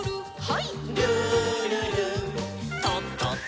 はい。